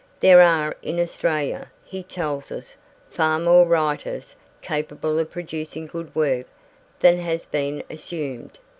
There are in Australia, he tells us, far more writers capable of producing good work than has been assumed.